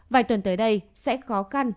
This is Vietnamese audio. vài tuần tới đây sẽ khó khăn